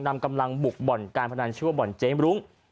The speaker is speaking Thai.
นำกำลังบุกบ่อนการพนันชื่อว่าบ่อนเจมรุ้ง